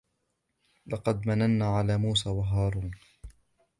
وَلَقَدْ مَنَنَّا عَلَى مُوسَى وَهَارُونَ